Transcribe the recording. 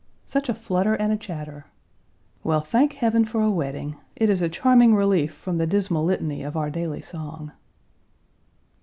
Such a flutter and a chatter. Well, thank Heaven for a wedding. It is a charming relief from the dismal litany of our daily song.